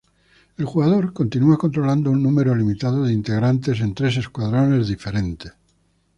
El jugador continua controlando a un número limitado de integrantes en tres escuadrones diferentes.